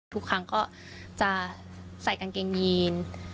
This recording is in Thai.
ทุกครั้งก็จะใส่กางเกงยีน